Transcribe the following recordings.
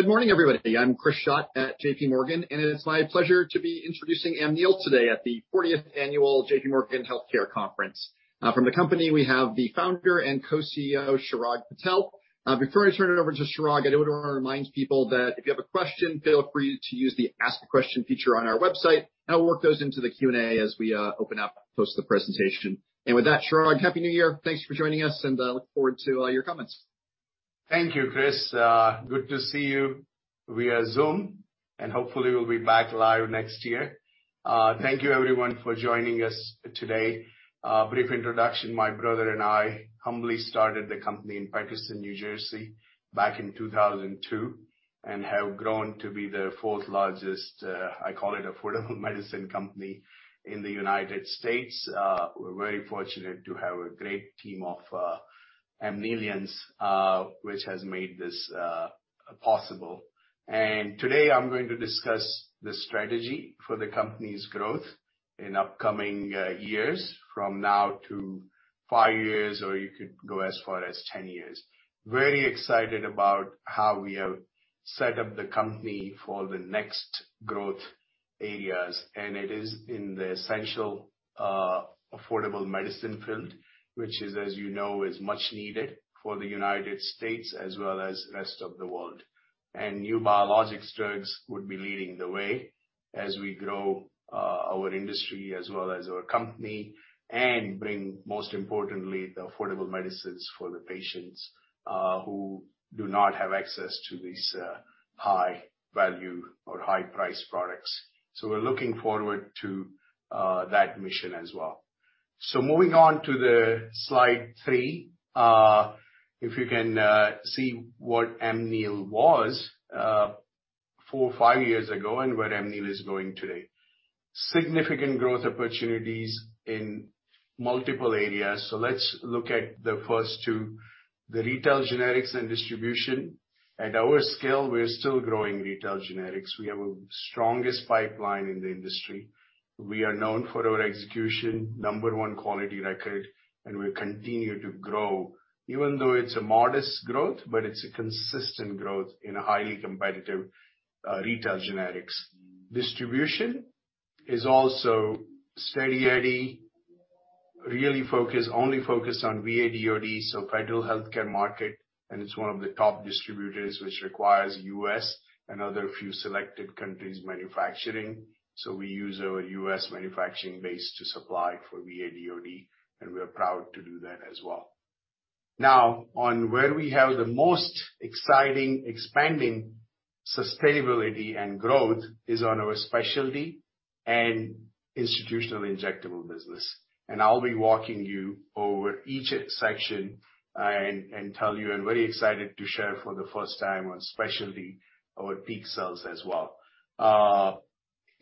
Good morning, everybody. I'm Chris Schott at JPMorgan, and it is my pleasure to be introducing Amneal today at the 40th Annual JPMorgan Healthcare Conference. From the company, we have the founder and Co-CEO, Chirag Patel. Before I turn it over to Chirag, I do wanna remind people that if you have a question, feel free to use the Ask a Question feature on our website, and I'll work those into the Q&A as we open up post the presentation. With that, Chirag, Happy New Year. Thanks for joining us, and look forward to your comments. Thank you, Chris. Good to see you via Zoom, and hopefully we'll be back live next year. Thank you everyone for joining us today. A brief introduction, my brother and I humbly started the company in Paterson, New Jersey back in 2002, and have grown to be the fourth largest, I call it affordable medicine company in the United States. We're very fortunate to have a great team of Amnealians, which has made this possible. Today I'm going to discuss the strategy for the company's growth in upcoming years from now to five years, or you could go as far as 10 years. Very excited about how we have set up the company for the next growth areas, and it is in the essential, affordable medicine field, which is, as you know, much needed for the United States as well as rest of the world. New biologic drugs would be leading the way as we grow our industry as well as our company and bring, most importantly, the affordable medicines for the patients who do not have access to these high value or high price products. We're looking forward to that mission as well. Moving on to the slide three, if you can see what Amneal was four or five years ago and where Amneal is going today. Significant growth opportunities in multiple areas. Let's look at the first two, the retail generics and distribution. At our scale, we are still growing retail generics. We have a strongest pipeline in the industry. We are known for our execution, number one quality record, and we continue to grow even though it's a modest growth, but it's a consistent growth in a highly competitive retail generics. Distribution is also steady Eddie. We really focus only on VA/DoD, so federal healthcare market, and it's one of the top distributors which requires U.S. and other few selected countries manufacturing. We use our U.S. manufacturing base to supply for VA/DoD, and we are proud to do that as well. Now, where we have the most exciting, expanding sustainability and growth is on our specialty and institutional injectable business. I'll be walking you over each section and tell you I'm very excited to share for the first time on specialty our peak sales as well.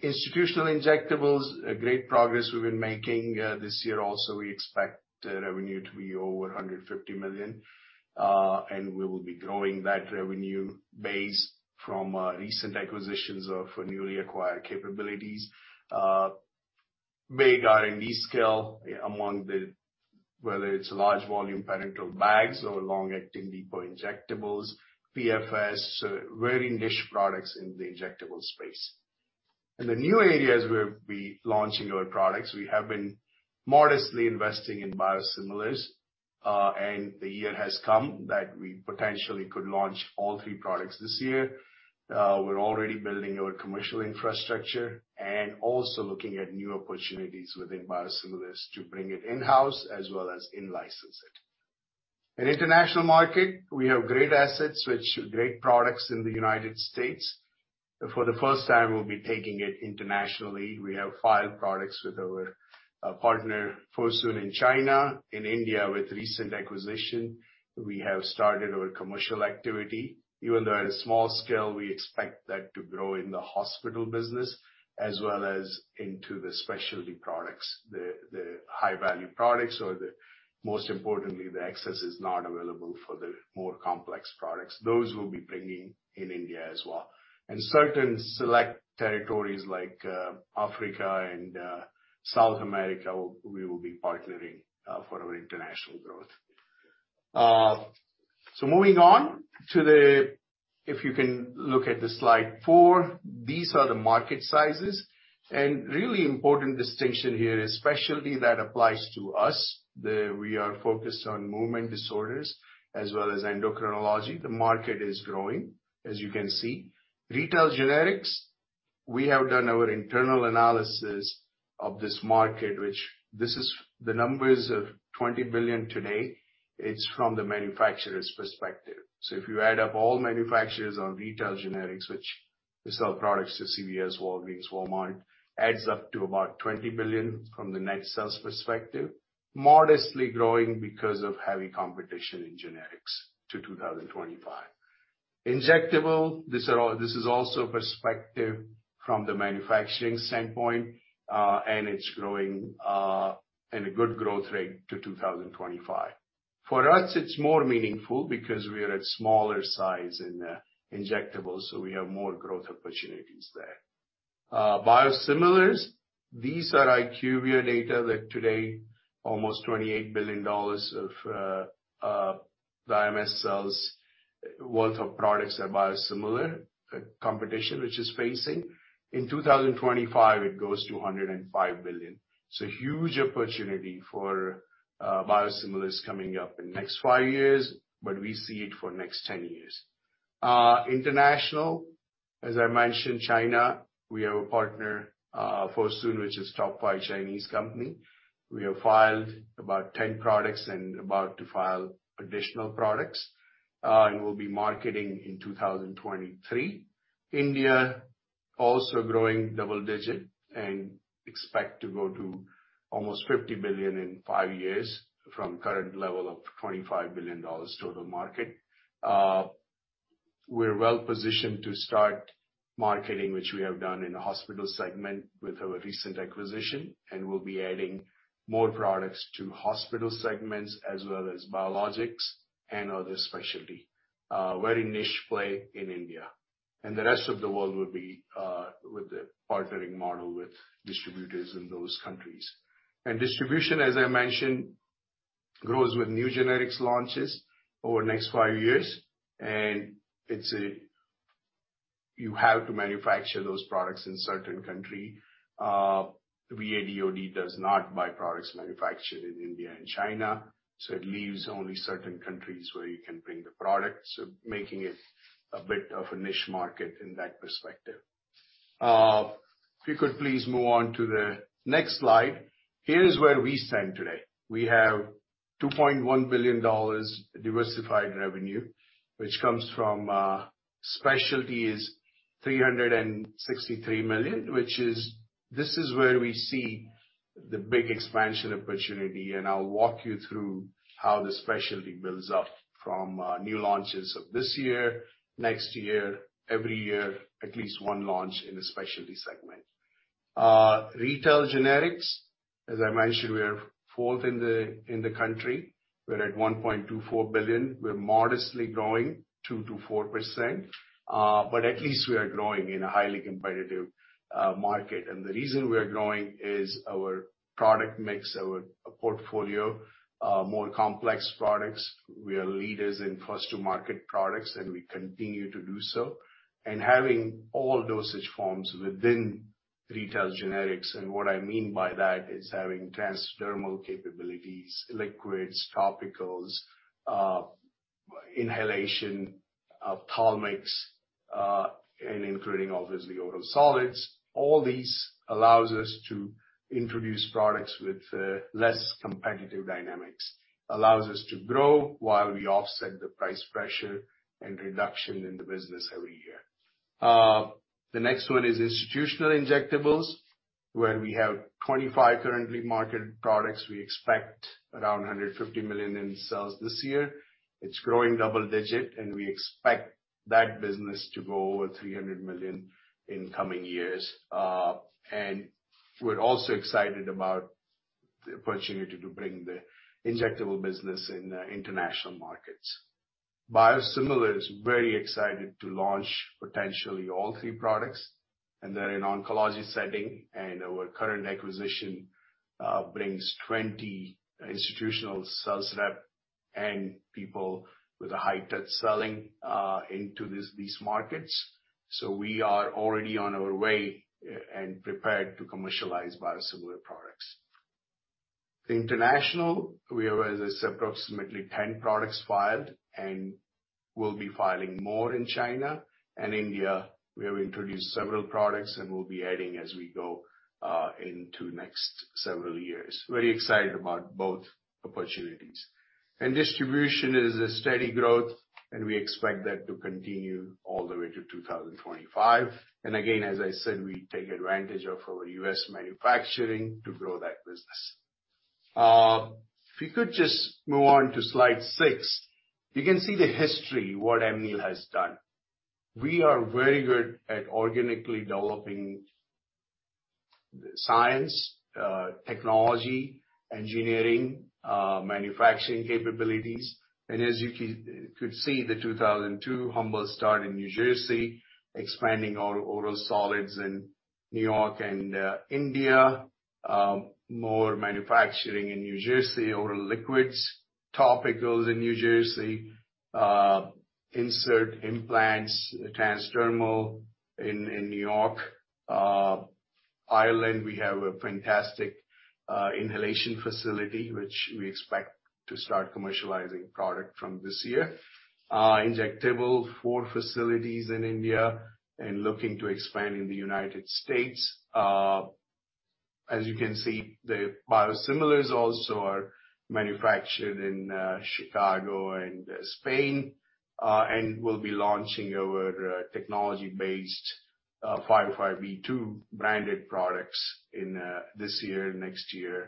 Institutional injectables, great progress we've been making. This year also, we expect revenue to be over $150 million. We will be growing that revenue base from recent acquisitions of newly acquired capabilities. Big R&D scale among the whether it's large volume parenteral bags or long-acting depot injectables, PFS, very niche products in the injectable space. In the new areas where we're launching our products, we have been modestly investing in biosimilars, and the year has come that we potentially could launch all three products this year. We're already building our commercial infrastructure and also looking at new opportunities within biosimilars to bring it in-house as well as in-license it. In international market, we have great assets which are great products in the United States. For the first time, we'll be taking it internationally. We have five products with our partner, Fosun, in China. In India, with recent acquisition, we have started our commercial activity. Even though at a small scale, we expect that to grow in the hospital business as well as into the specialty products, the high-value products, or most importantly, the access is not available for the more complex products. Those we'll be bringing in India as well. In certain select territories like Africa and South America, we will be partnering for our international growth. Moving on, if you can look at slide four, these are the market sizes. Really important distinction here, especially that applies to us, we are focused on movement disorders as well as endocrinology. The market is growing, as you can see. Retail generics, we have done our internal analysis of this market, which is the number of $20 billion today. It's from the manufacturer's perspective. So if you add up all manufacturers on retail generics, which they sell products to CVS, Walgreens, Walmart, adds up to about $20 billion from the net sales perspective. Modestly growing because of heavy competition in generics to 2025. Injectables, this is also perspective from the manufacturing standpoint, and it's growing in a good growth rate to 2025. For us, it's more meaningful because we are at smaller size in injectables, so we have more growth opportunities there. Biosimilars, these are IQVIA data that today almost $28 billion of the IMS sales worth of products are facing biosimilar competition. In 2025, it goes to $105 billion. Huge opportunity for biosimilars coming up in next five years, but we see it for next 10 years. International, as I mentioned, China, we have a partner, Fosun, which is top five Chinese company. We have filed about 10 products and about to file additional products, and we'll be marketing in 2023. India also growing double-digit and expect to go to almost $50 billion in five years from current level of $25 billion total market. We're well-positioned to start marketing, which we have done in the hospital segment with our recent acquisition, and we'll be adding more products to hospital segments as well as biologics and other specialty. Very niche play in India. The rest of the world will be with the partnering model with distributors in those countries. Distribution, as I mentioned, grows with new generics launches over the next five years. It's you have to manufacture those products in certain country. The VA/DoD does not buy products manufactured in India and China, so it leaves only certain countries where you can bring the product, so making it a bit of a niche market in that perspective. If you could please move on to the next slide. Here's where we stand today. We have $2.1 billion diversified revenue, which comes from, specialty is $363 million, which is... This is where we see the big expansion opportunity, and I'll walk you through how the specialty builds up from new launches of this year, next year, every year, at least one launch in the specialty segment. Retail generics, as I mentioned, we are fourth in the country. We're at $1.24 billion. We're modestly growing 2%-4%, but at least we are growing in a highly competitive market. The reason we are growing is our product mix, our portfolio, more complex products. We are leaders in first to market products, and we continue to do so. Having all dosage forms within retail generics, and what I mean by that is having transdermal capabilities, liquids, topicals, inhalation, palmix, and including obviously oral solids. All these allows us to introduce products with less competitive dynamics, allows us to grow while we offset the price pressure and reduction in the business every year. The next one is institutional injectables, where we have 25 currently marketed products. We expect around $150 million in sales this year. It's growing double-digit, and we expect that business to go over $300 million in coming years. We're also excited about the opportunity to bring the injectable business in international markets. Biosimilars is very excited to launch potentially all three products, and they're in oncology setting and our current acquisition brings 20 institutional sales reps and people with a high-touch selling into these markets. We are already on our way and prepared to commercialize biosimilar products. International, we have, as I said, approximately 10 products filed and we'll be filing more in China and India. We have introduced several products and we'll be adding as we go into next several years. Very excited about both opportunities. Distribution is a steady growth, and we expect that to continue all the way to 2025. Again, as I said, we take advantage of our U.S. manufacturing to grow that business. If you could just move on to slide six. You can see the history, what Amneal has done. We are very good at organically developing science, technology, engineering, manufacturing capabilities. As you can see the 2002 humble start in New Jersey, expanding our oral solids in New York and India, more manufacturing in New Jersey, oral liquids, topicals in New Jersey, insert implants, transdermal in New York. Ireland, we have a fantastic inhalation facility which we expect to start commercializing product from this year. Injectable, four facilities in India and looking to expand in the United States. As you can see, the biosimilars also are manufactured in Chicago and Spain, and we'll be launching our technology-based 505(b)(2) branded products in this year,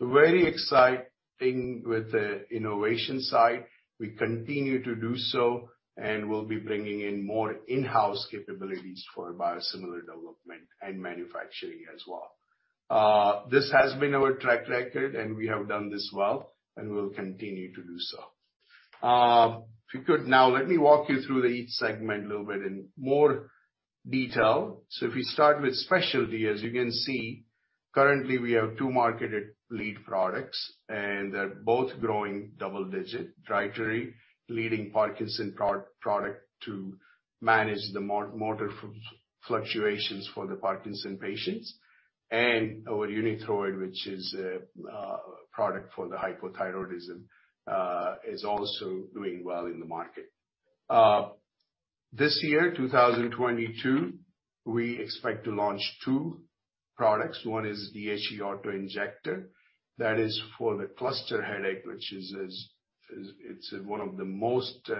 next year, and every year after that. Very exciting with the innovation side. We continue to do so, and we'll be bringing in more in-house capabilities for biosimilar development and manufacturing as well. This has been our track record, and we have done this well, and we'll continue to do so. If you could now let me walk you through each segment a little bit in more detail. If you start with Specialty, as you can see, currently we have two marketed lead products, and they're both growing double-digit. Rytary, leading Parkinson's product to manage the motor fluctuations for the Parkinson's patients. Our Unithroid, which is a product for hypothyroidism, is also doing well in the market. This year, 2022, we expect to launch two products. One is DHE autoinjector. That is for the cluster headache, which is one of the most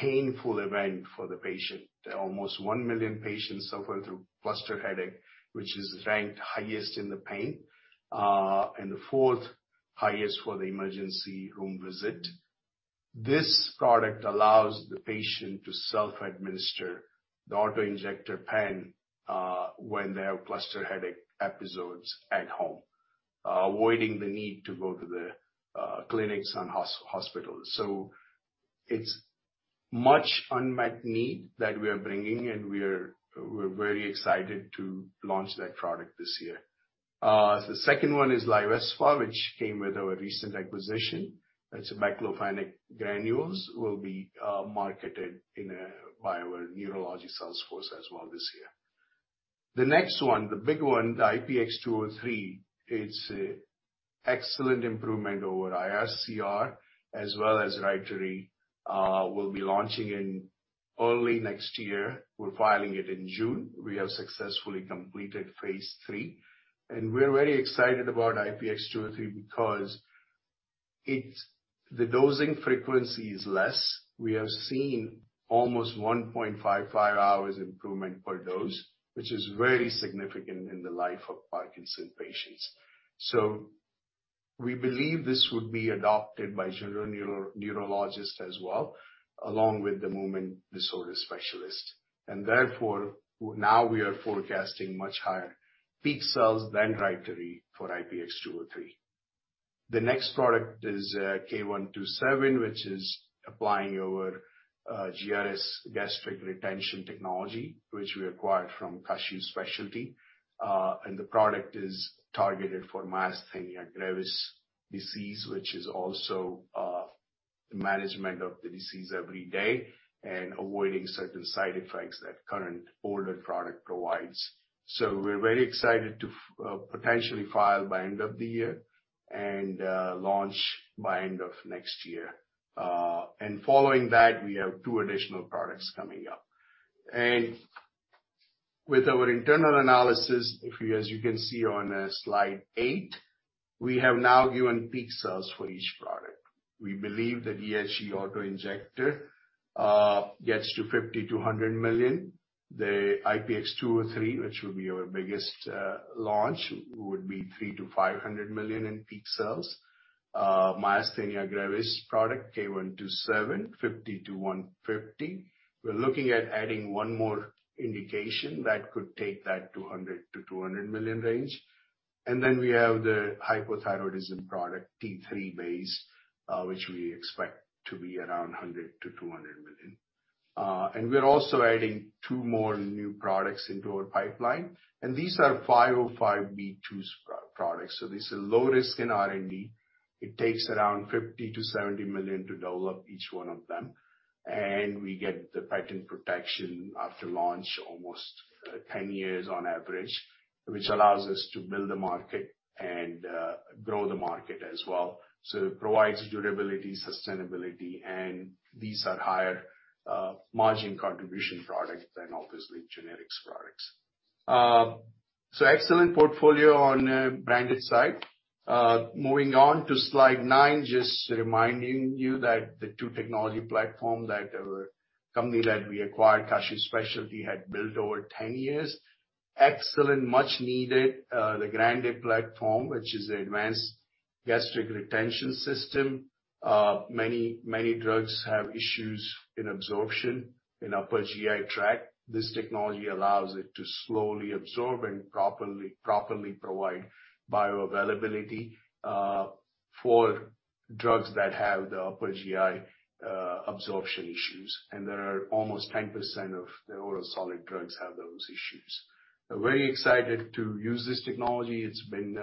painful event for the patient. Almost 1 million patients suffer through cluster headache, which is ranked highest in the pain, and the fourth highest for the emergency room visit. This product allows the patient to self-administer the auto-injector pen, when they have cluster headache episodes at home, avoiding the need to go to the, clinics and hospitals. It's much unmet need that we are bringing, and we're very excited to launch that product this year. The second one is Lioresal, which came with our recent acquisition. It's baclofen granules, will be marketed by our neurologic sales force as well this year. The next one, the big one, the IPX203, it's a excellent improvement over IR/CR as well as Rytary, will be launching in early next year. We're filing it in June. We have successfully completed phase III. We're very excited about IPX203 because it's the dosing frequency is less. We have seen almost 1.55 hours improvement per dose, which is very significant in the life of Parkinson's patients. We believe this would be adopted by general neurologists as well, along with the movement disorder specialists. Therefore, now we are forecasting much higher peak sales than Rytary for IPX203. The next product is K127, which is applying our GRS gastric retention technology, which we acquired from Kashiv Specialty. The product is targeted for myasthenia gravis disease, which is also management of the disease every day and avoiding certain side effects that current older product provides. We're very excited to potentially file by end of the year and launch by end of next year. Following that, we have two additional products coming up. With our internal analysis, as you can see on Slide eight, we have now given peak sales for each product. We believe the DHE auto-injector gets to $50 million-$100 million. The IPX203, which will be our biggest launch, would be $300 million-$500 million in peak sales. Myasthenia gravis product, K127, $50 million-$150 million. We're looking at adding one more indication that could take that to $100 million-$200 million range. We have the hypothyroidism product, T3 Base, which we expect to be around $100 million-$200 million. We're also adding two more new products into our pipeline, and these are 505(b)(2) products. This is low risk in R&D. It takes around $50 million-$70 million to develop each one of them, and we get the patent protection after launch, almost 10 years on average, which allows us to build the market and grow the market as well. It provides durability, sustainability, and these are higher margin contribution products than obviously generics products. Excellent portfolio on the branded side. Moving on to slide nine, just reminding you that the two technology platform that our company that we acquired, Kashiv Specialty, had built over 10 years. Excellent, much needed, the GRANDE Platform, which is an advanced gastric retention system. Many, many drugs have issues in absorption in upper GI tract. This technology allows it to slowly absorb and properly provide bioavailability for drugs that have the upper GI absorption issues. There are almost 10% of the oral solid drugs have those issues. We're very excited to use this technology. It's been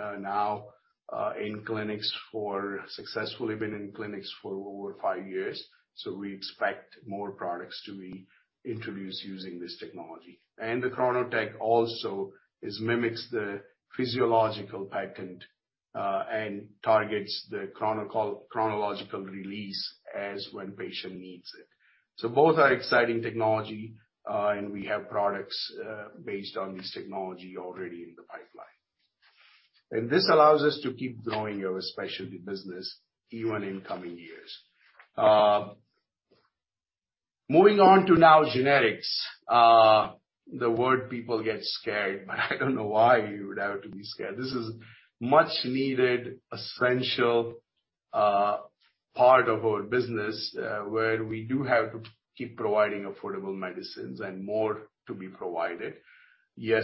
successfully in clinics for over five years. We expect more products to be introduced using this technology. The ChronoTab also mimics the physiological pattern and targets the chronological release as when patient needs it. Both are exciting technology, and we have products based on this technology already in the pipeline. This allows us to keep growing our specialty business even in coming years. Moving on to our generics. The word, people get scared, but I don't know why you would have to be scared. This is much needed essential part of our business, where we do have to keep providing affordable medicines and more to be provided. Yes,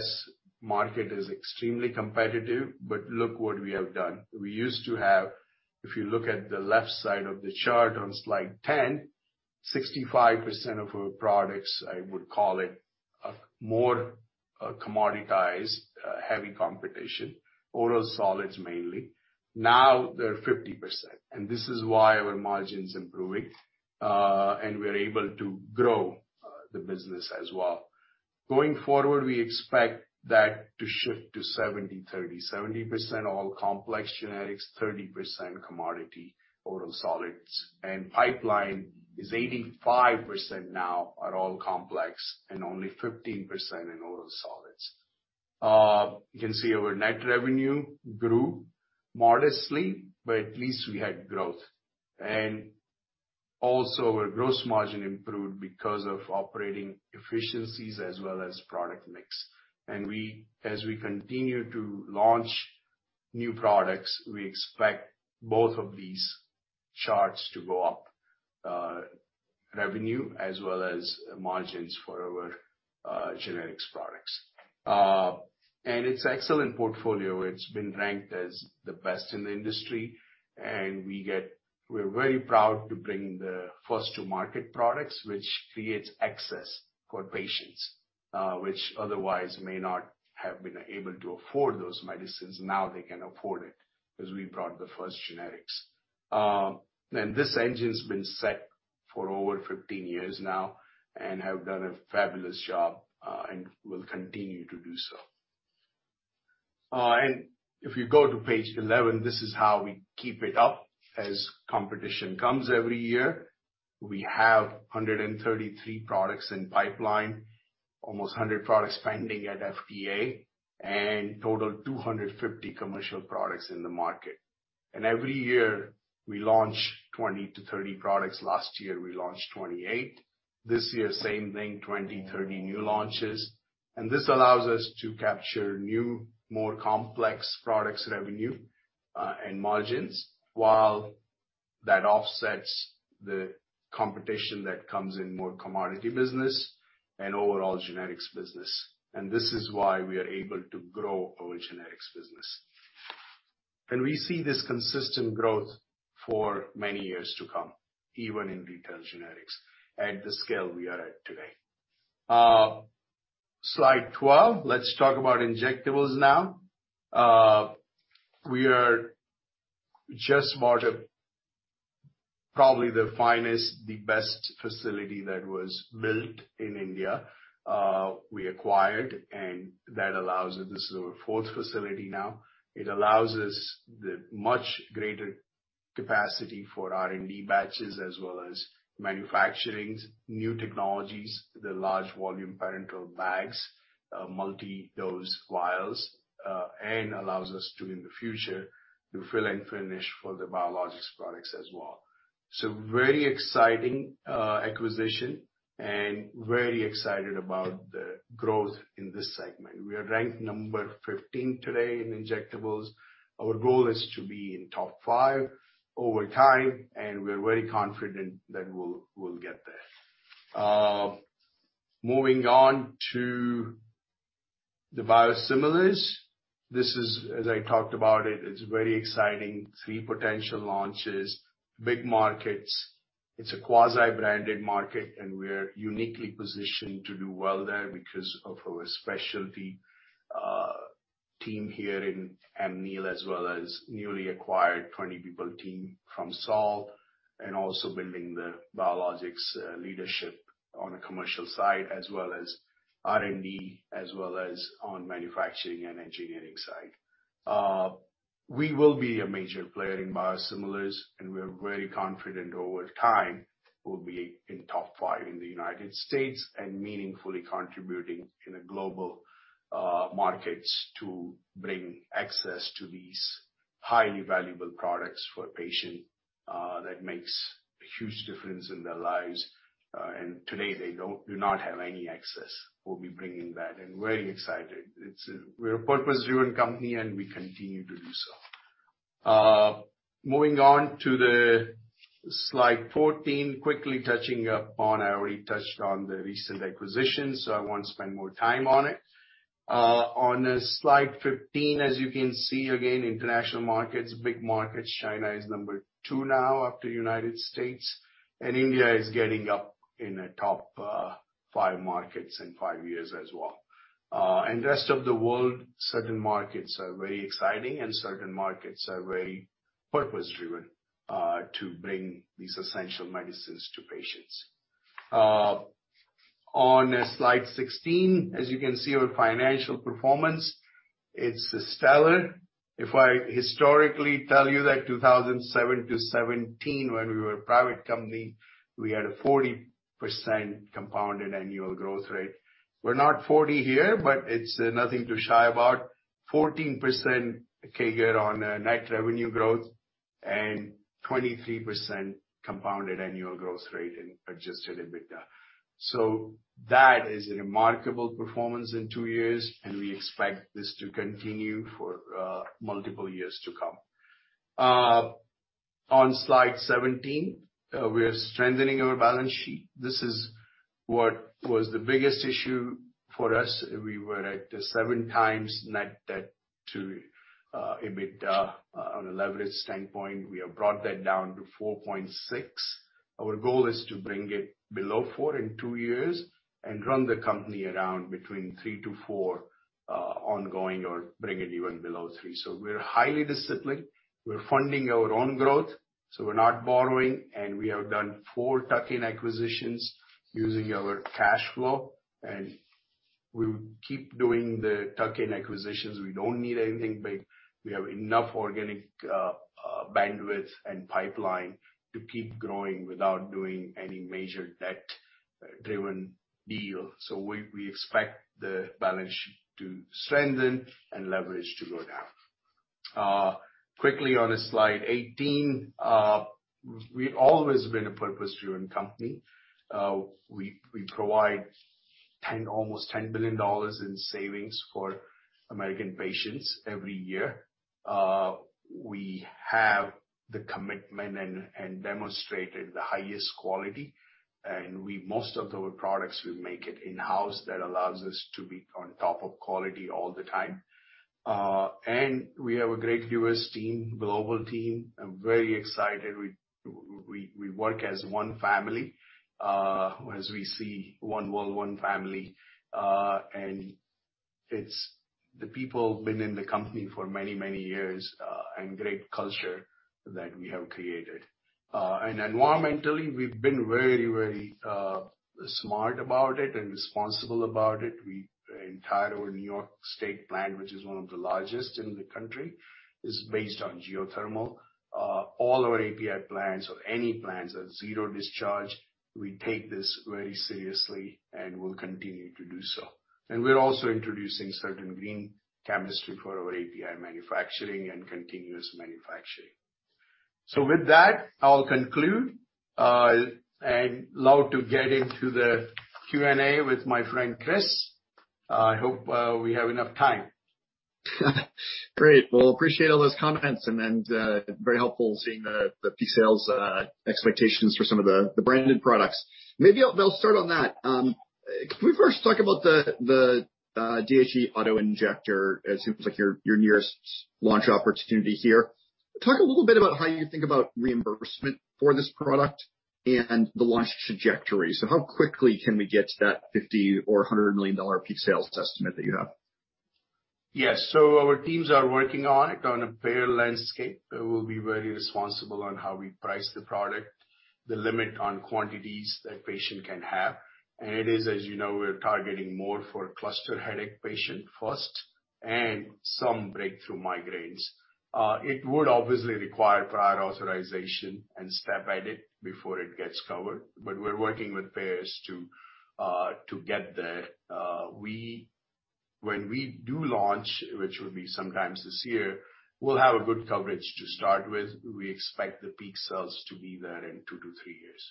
market is extremely competitive, but look what we have done. If you look at the left side of the chart on slide 10, 60% of our products, I would call it, more, commoditized, heavy competition, oral solids mainly. Now they're 50%, and this is why our margin's improving, and we're able to grow, the business as well. Going forward, we expect that to shift to 70/30. 70% all complex generics, 30% commodity oral solids. Pipeline is 85% now are all complex and only 15% in oral solids. You can see our net revenue grew modestly, but at least we had growth. Our gross margin improved because of operating efficiencies as well as product mix. As we continue to launch new products, we expect both of these charts to go up, revenue as well as margins for our generics products. It's an excellent portfolio. It's been ranked as the best in the industry, and we're very proud to bring the first to market products, which creates access for patients, which otherwise may not have been able to afford those medicines. Now they can afford it 'cause we brought the first generics. This engine's been set for over 15 years now and have done a fabulous job, and will continue to do so. If you go to page 11, this is how we keep it up as competition comes every year. We have 133 products in pipeline, almost 100 products pending at FDA, and total 250 commercial products in the market. Every year, we launch 20-30 products. Last year, we launched 28. This year, same thing, 20-30 new launches. This allows us to capture new, more complex products revenue, and margins, while that offsets the competition that comes in more commodity business and overall generics business. This is why we are able to grow our generics business. We see this consistent growth for many years to come, even in retail generics at the scale we are at today. Slide 12. Let's talk about injectables now. We just bought probably the finest, the best facility that was built in India. We acquired, and that allows us. This is our fourth facility now. It allows us much greater capacity for R&D batches as well as manufacturing new technologies, the large volume parenteral bags, multi-dose vials, and allows us to, in the future, do fill and finish for the biologics products as well. Very exciting acquisition, and very excited about the growth in this segment. We are ranked number 15 today in injectables. Our goal is to be in top five over time, and we're very confident that we'll get there. Moving on to the biosimilars. This is, as I talked about it's very exciting. Three potential launches, big markets. It's a quasi-branded market, and we're uniquely positioned to do well there because of our specialty team here in Amneal, as well as newly acquired 20 people team from Saol, and also building the biologics leadership on the commercial side as well as R&D, as well as on manufacturing and engineering side. We will be a major player in biosimilars, and we are very confident over time we'll be in top five in the United States and meaningfully contributing in the global markets to bring access to these highly valuable products for a patient that makes a huge difference in their lives. Today they do not have any access. We'll be bringing that and very excited. We're a purpose-driven company, and we continue to do so. Moving on to slide 14. Quickly touching upon... I already touched on the recent acquisitions, so I won't spend more time on it. On slide 15, as you can see, again, international markets, big markets. China is number two now after United States, and India is getting up in the top five markets in five years as well. And rest of the world, certain markets are very exciting and certain markets are very purpose driven to bring these essential medicines to patients. On slide 16, as you can see, our financial performance, it's stellar. If I historically tell you that 2007 to 2017, when we were a private company, we had a 40% compounded annual growth rate. We're not 40 here, but it's nothing to shy about. 14% CAGR on net revenue growth and 23% compounded annual growth rate in adjusted EBITDA. That is a remarkable performance in two years, and we expect this to continue for multiple years to come. On slide 17, we are strengthening our balance sheet. This was the biggest issue for us. We were at 7x net debt to EBITDA on a leverage standpoint. We have brought that down to 4.6x. Our goal is to bring it below 4x in two years and run the company around between 3x-4x ongoing or bring it even below 3x. We're highly disciplined. We're funding our own growth, so we're not borrowing, and we have done four tuck-in acquisitions using our cash flow, and we will keep doing the tuck-in acquisitions. We don't need anything big. We have enough organic bandwidth and pipeline to keep growing without doing any major debt-driven deal. We expect the balance sheet to strengthen and leverage to go down. Quickly on slide 18, we've always been a purpose-driven company. We provide almost $10 billion in savings for American patients every year. We have the commitment and demonstrated the highest quality. Most of our products, we make it in-house. That allows us to be on top of quality all the time. We have a great U.S. team, global team. I'm very excited. We work as one family, as we see one world, one family, and it's the people been in the company for many years, and great culture that we have created. Environmentally, we've been very smart about it and responsible about it. We Our entire New York State plant, which is one of the largest in the country, is based on geothermal. All our API plants or any plants are zero discharge. We take this very seriously, and we'll continue to do so. We're also introducing certain green chemistry for our API manufacturing and continuous manufacturing. With that, I'll conclude and love to get into the Q&A with my friend, Chris. I hope we have enough time. Great. Well, I appreciate all those comments and very helpful seeing the peak sales expectations for some of the branded products. Maybe I'll start on that. Can we first talk about the DHE autoinjector? It seems like your nearest launch opportunity here. Talk a little bit about how you think about reimbursement for this product and the launch trajectory. How quickly can we get to that $50 million-$100 million peak sales estimate that you have? Yes. Our teams are working on it on a payer landscape. We will be very responsible on how we price the product, the limit on quantities that patient can have. It is as you know, we're targeting more for cluster headache patient first and some breakthrough migraines. It would obviously require prior authorization and step edit before it gets covered. We're working with payers to get there. We, when we do launch, which will be sometime this year, we'll have a good coverage to start with. We expect the peak sales to be there in two to three years.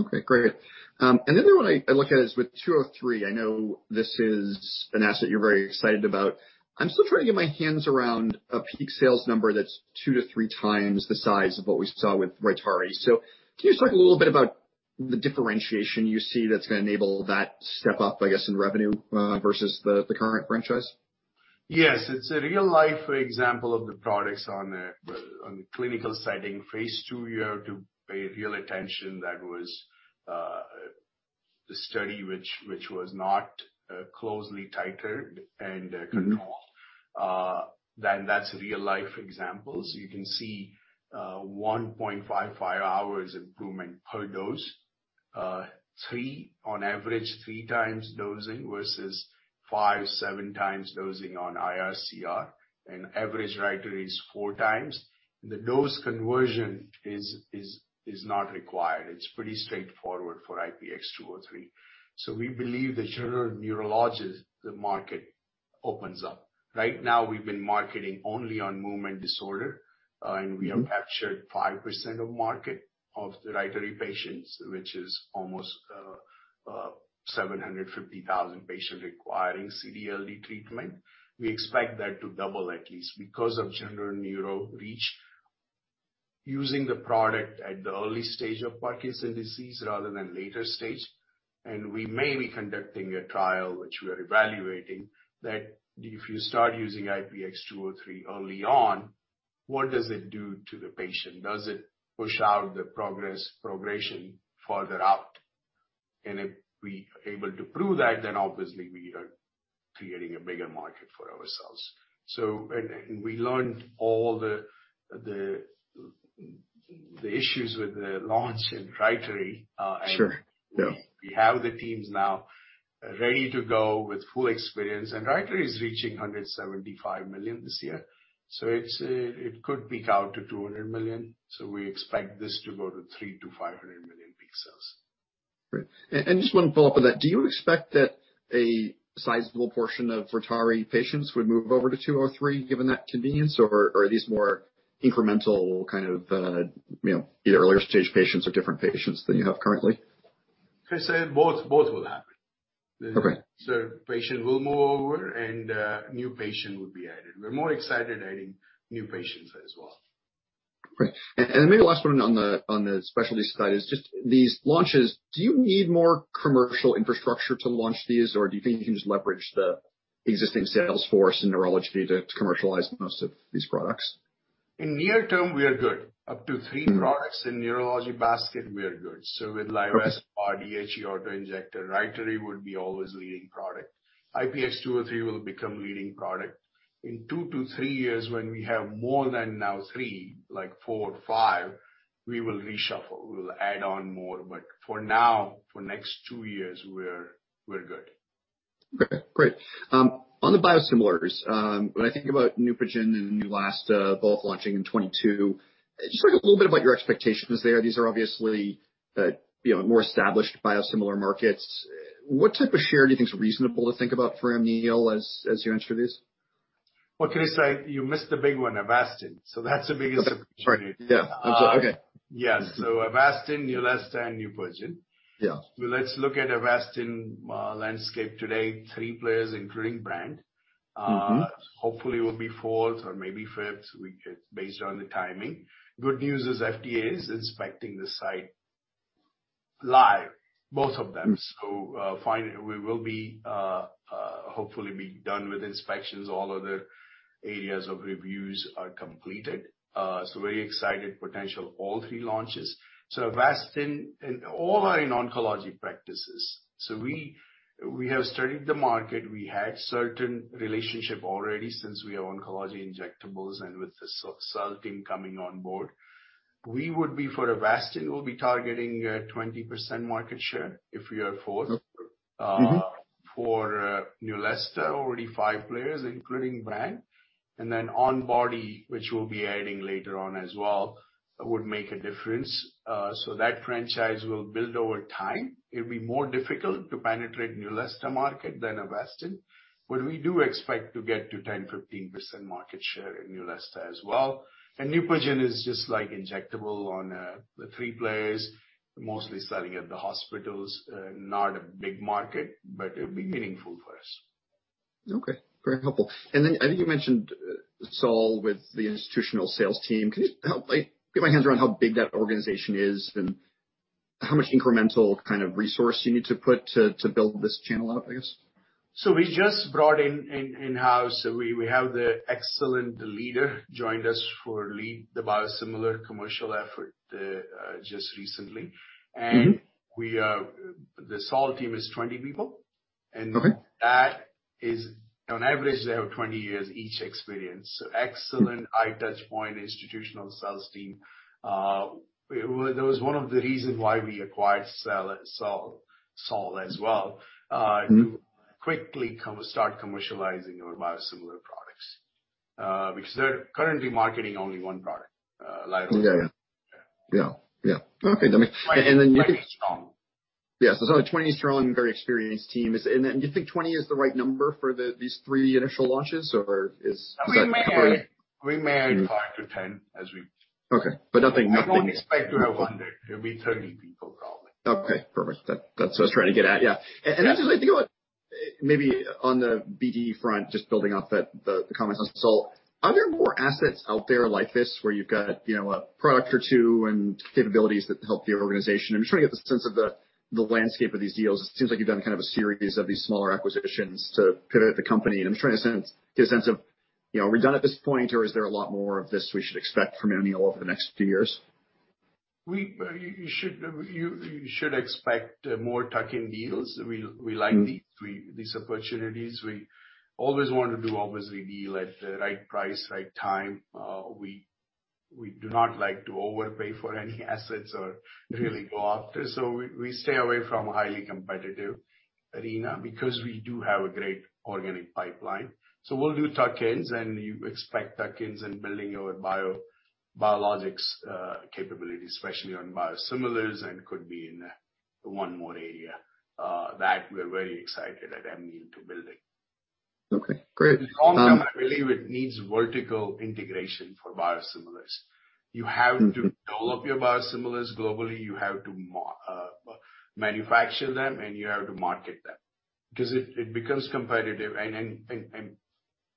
Okay, great. Another one I look at is with IPX203. I know this is an asset you're very excited about. I'm still trying to get my hands around a peak sales number that's two to three times the size of what we saw with Rytary. Can you just talk a little bit about the differentiation you see that's gonna enable that step up, I guess, in revenue versus the current franchise? Yes. It's a real-life example of the products in the clinical setting. Phase II, you have to pay real attention. That was the study which was not closely titrated and controlled. That's real-life examples. You can see 1.55 hours improvement per dose. Three times dosing on average versus five to seven times dosing on IR/CR, and average Rytary is four times. The dose conversion is not required. It's pretty straightforward for IPX203. So we believe the general neurologist, the market opens up. Right now, we've been marketing only on movement disorder, and we have captured 5% of market of the Rytary patients, which is almost 750,000 patients requiring CD/LD treatment. We expect that to double at least because of general neuro reach using the product at the early stage of Parkinson's disease rather than later stage. We may be conducting a trial, which we are evaluating, that if you start using IPX203 early on, what does it do to the patient? Does it push out the progression further out? If we are able to prove that, then obviously we are creating a bigger market for ourselves. We learned all the issues with the launch in Rytary, and... Sure. Yeah. We have the teams now ready to go with full experience. Rytary is reaching $175 million this year, so it could peak out to $200 million. We expect this to go to $300 million-$500 million peak sales. Great. Just one follow-up on that. Do you expect that a sizable portion of Rytary patients would move over to IPX203 given that convenience, or are these more incremental kind of, either earlier stage patients or different patients than you have currently? Chris, both will happen. Okay. Patient will move over and new patient will be added. We're more excited adding new patients as well. Great. Maybe last one on the specialties side is just these launches. Do you need more commercial infrastructure to launch these or do you think you can just leverage the existing sales force in neurology to commercialize most of these products? In the near term, we are good. Up to three products in neurology basket, we are good. With Bivigam, DHE auto-injector, Rytary would be always leading product. IPX203 will become leading product. In two to three years when we have more than now three, like four or five, we will reshuffle. We'll add on more, but for now, for next two years, we're good. Okay, great. On the biosimilars, when I think about Neupogen and Neulasta both launching in 2022, just talk a little bit about your expectations there. These are obviously, you know, more established biosimilar markets. What type of share do you think is reasonable to think about for Amneal as you enter this? What can I say? You missed the big one, Avastin. That's the biggest opportunity. Sorry. Yeah. Okay. Yeah. Avastin, Neulasta, and Neupogen. Yeah. Let's look at Avastin landscape today. Three players including brand. Mm-hmm. Hopefully we'll be fourth or maybe fifth based on the timing. Good news is FDA is inspecting the site live, both of them. Finally, we will hopefully be done with inspections, all other areas of reviews are completed. Very excited potential all three launches. Avastin and all are in oncology practices. We have studied the market. We had certain relationship already since we are oncology injectables and with the Saol team coming on board. For Avastin, we'll be targeting 20% market share if we are fourth. Okay. Mm-hmm. For Neulasta, already five players, including brand, and then Onbody, which we'll be adding later on as well, would make a difference. That franchise will build over time. It'll be more difficult to penetrate Neulasta market than Avastin. We do expect to get to 10%-15% market share in Neulasta as well. Neupogen is just an injectable, only three players, mostly selling at the hospitals, not a big market, but it'll be meaningful for us. Okay. Very helpful. Then I think you mentioned Saol with the institutional sales team. Can you get my hands around how big that organization is and how much incremental kind of resource you need to put to build this channel up, I guess? We just brought in-house. We have an excellent leader joined us to lead the biosimilar commercial effort just recently. Mm-hmm. We, the Saol team, is 20 people. Okay. That is on average, they have 20 years each experience. Excellent high-touchpoint institutional sales team. That was one of the reasons why we acquired Saol as well. Mm-hmm. To quickly start commercializing our biosimilar products, because they're currently marketing only one product, Bivigam. Yeah. Okay. 20 strong. 20 strong, very experienced team. Do you think 20 is the right number for the, these three initial launches or is that covering... We may add 5-10 as we. Okay. Nothing. I don't expect to have 100. It'll be 30 people probably. Okay. Perfect. That, that's what I was trying to get at. Yeah. Yeah. Just think about maybe on the BDD front, just building off the comments on Saol, are there more assets out there like this where you've got, you know, a product or two and capabilities that help the organization? I'm trying to get the sense of the landscape of these deals. It seems like you've done kind of a series of these smaller acquisitions to pivot the company, and I'm trying to get a sense of, you know, are we done at this point, or is there a lot more of this we should expect from Amneal over the next few years? You should expect more tuck-in deals. We like the... Mm-hmm. These opportunities. We always want to do obviously deal at the right price, right time. We do not like to overpay for any assets or really go after. We stay away from highly competitive arena because we do have a great organic pipeline. We'll do tuck-ins and you expect tuck-ins and building our biologics capability, especially on biosimilars, and could be in one more area that we're very excited at Amneal to building. Okay, great. Long term, I believe it needs vertical integration for biosimilars. Mm-hmm. You have to develop your biosimilars globally, you have to manufacture them, and you have to market them because it becomes competitive and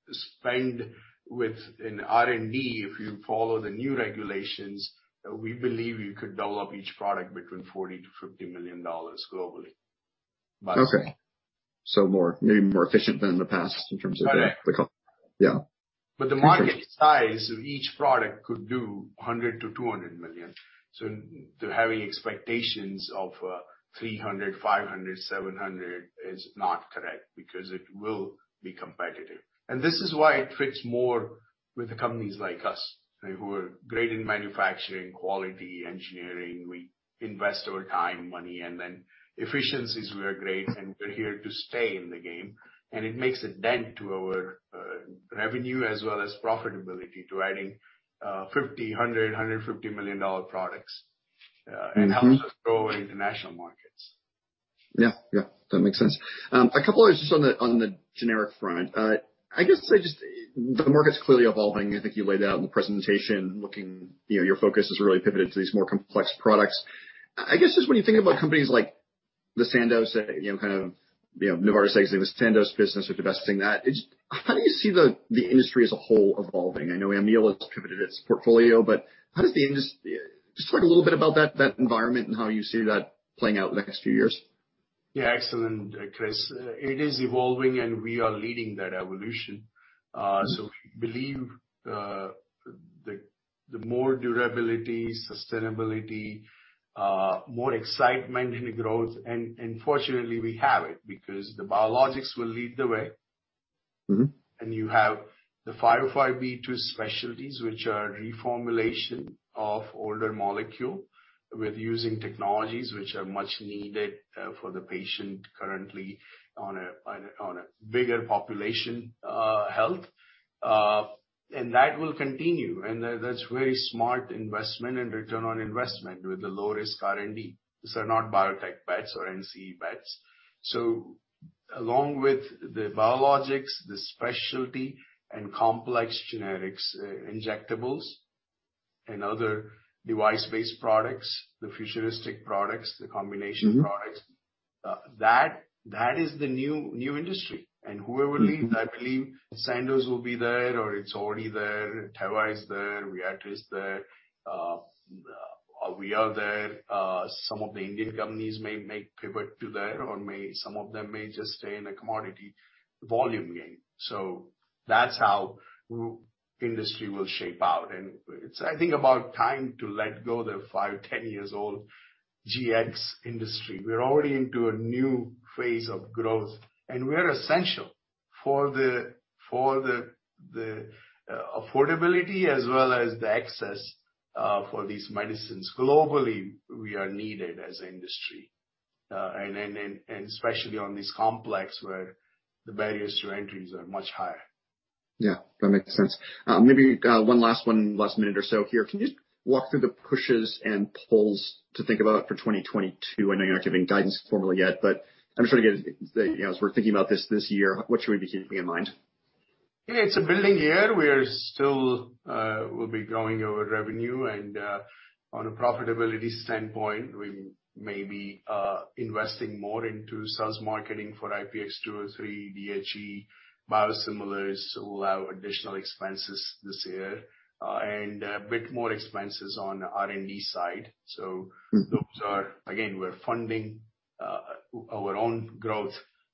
spend on R&D, if you follow the new regulations, we believe you could develop each product between $40 million-$50 million globally. Biosimilar. Okay. Maybe more efficient than in the past in terms of the co... Correct. Yeah. Interesting. The market size of each product could do $100 million-$200 million. To having expectations of $300 million, $500 million, $700 million is not correct because it will be competitive. This is why it fits more with the companies like us, right, who are great in manufacturing, quality, engineering. We invest our time, money, and then efficiencies, we are great, and we're here to stay in the game. It makes a dent to our revenue as well as profitability to adding $50 million, $100 million, $150 million products. Mm-hmm. It helps us grow in international markets. Yeah. Yeah. That makes sense. A couple just on the generic front. I guess I just the market's clearly evolving. I think you laid out in the presentation looking, you know, your focus has really pivoted to these more complex products. I guess just when you think about companies like the Sandoz, you know, kind of, you know, Novartis exiting the Sandoz business or divesting that. It's how do you see the industry as a whole evolving? I know Amneal has pivoted its portfolio, but how does the industry just talk a little bit about that environment and how you see that playing out in the next few years? Yeah. Excellent, Chris. It is evolving, and we are leading that evolution. We believe the more durability, sustainability, more excitement and growth, and fortunately we have it because the biologics will lead the way. Mm-hmm. You have the 505(b)2 specialties, which are reformulation of older molecule with using technologies which are much needed for the patient currently on a bigger population health. That will continue, and that's very smart investment and return on investment with the low risk R&D. These are not biotech bets or NCE bets. Along with the biologics, the specialty and complex generics, injectables and other device-based products, the futuristic products, the combination products. Mm-hmm. That is the new industry and whoever leads that. Mm-hmm. I believe Sandoz will be there or it's already there. Teva is there. Viatris is there. We are there. Some of the Indian companies may pivot to there or some of them may just stay in the commodity volume game. That's how industry will shape out. It's, I think, about time to let go the five, 10 years old GX industry. We're already into a new phase of growth, and we're essential for the affordability as well as the access for these medicines. Globally, we are needed as an industry, and especially on these complex where the barriers to entries are much higher. Yeah, that makes sense. Maybe one last one in the last minute or so here. Can you just walk through the pushes and pulls to think about for 2022? I know you're not giving guidance formally yet, but I'm just trying to get as we're thinking about this year, what should we be keeping in mind? Yeah, it's a building year. We'll be growing our revenue and, on a profitability standpoint, we may be investing more into sales marketing for IPX203, DHE, biosimilars will allow additional expenses this year, and a bit more expenses on R&D side. Mm-hmm. Those are again, we're funding our own growth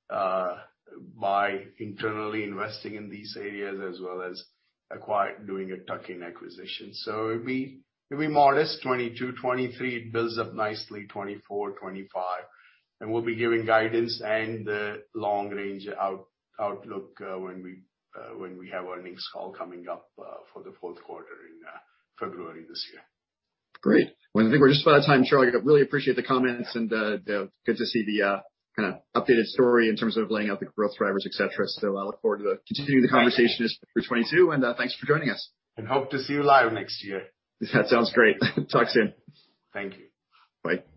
by internally investing in these areas as well as doing a tuck-in acquisition. It'll be modest 2022, 2023. It builds up nicely 2024, 2025. We'll be giving guidance and the long-range outlook when we have earnings call coming up for the fourth quarter in February this year. Great. Well, I think we're just about out of time, Chirag. I really appreciate the comments and the good to see the kinda updated story in terms of laying out the growth drivers, et cetera. I look forward to continuing the conversation. Thank you. As through 2022, and thanks for joining us. Hope to see you live next year. That sounds great. Talk soon. Thank you. Bye.